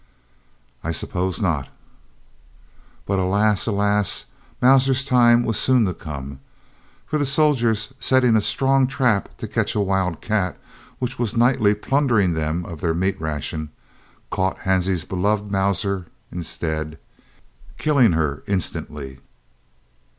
"I suppose not." But alas, alas! Mauser's time was soon to come, for the soldiers, setting a strong trap to catch a wild cat which was nightly plundering them of their meat ration, caught Hansie's beloved Mauser instead, killing her instantly.